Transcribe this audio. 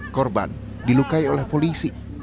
korban dilukai oleh polisi